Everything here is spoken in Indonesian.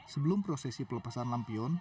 sebelum prosesi pelepasan lampion